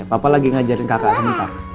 papa lagi ngajarin kakak sebentar